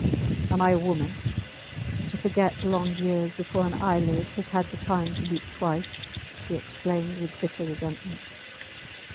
Am I a woman, to forget long years before an eyelid has had the time to beat twice? he exclaimed, with bitter resentment.